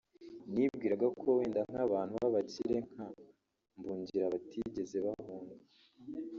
nibwiraga ko wenda nk’abantu b’abakire nka Mbungira batigeze bahunga